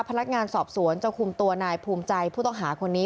พนักงานสอบสวนจะคุมตัวนายภูมิใจผู้ต้องหาคนนี้